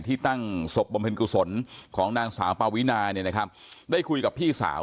ตั้งศพบำเพ็ญกุศลของนางสาวปาวินาเนี่ยนะครับได้คุยกับพี่สาว